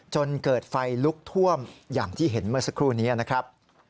จนเกิดไฟลุกท่วมอย่างที่เห็นเมื่อสักครู่นี้นะครับ